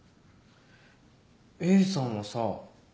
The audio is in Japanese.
Ａさんはさ